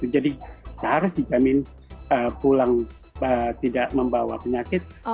jadi harus dijamin pulang tidak membawa penyakit